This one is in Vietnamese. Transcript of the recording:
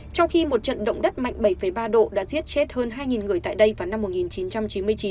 trong khi một trận động đất mạnh bảy ba độ đã giết chết hơn hai người tại đây vào năm một nghìn chín trăm chín mươi chín